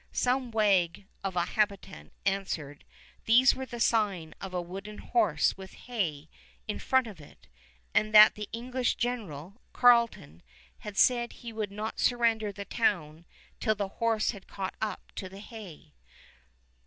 Some wag of a habitant answered these were the sign of a wooden horse with hay in front of it, and that the English general, Carleton, had said he would not surrender the town till the horse had caught up to the hay.